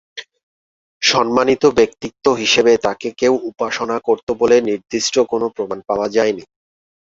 সম্মানিত ব্যক্তিত্ব হিসাবে তাঁকে কেউ উপাসনা করতো বলে নির্দিষ্ট কোনও প্রমাণ পাওয়া যায়নি।